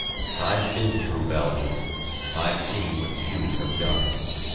I've been through Belgium I've seen what you have done.